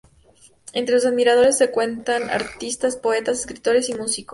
Entre sus admiradores se cuentan artistas, poetas, escritores y músicos.